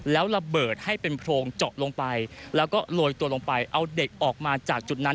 แล้วระเบิดให้เป็นโพรงเจาะลงไปแล้วก็โรยตัวลงไปเอาเด็กออกมาจากจุดนั้น